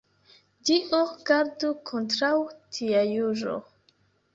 Dio gardu kontraŭ tia juĝo.